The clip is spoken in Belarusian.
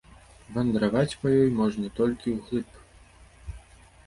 Вандраваць па ёй можна толькі ўглыб.